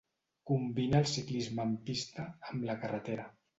Combina el ciclisme en pista, amb la carretera.